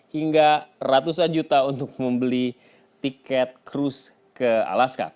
hingga ratusan juta untuk membeli tiket krus ke alaska